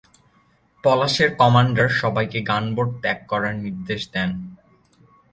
পলাশের কমান্ডার সবাইকে গানবোট ত্যাগ করার নির্দেশ দেন।